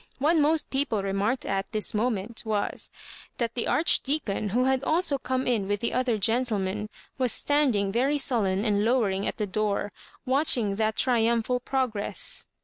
What most people remarked at this moment was, that the Archdeacon, who had also come in with tlie other gentlemen, was standing very sullen and lowering at the door, watching that triumphal progress.